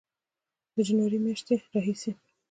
د جنورۍ میاشتې راهیسې